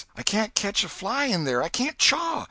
I can't ketch a fly in there, I can't chaw.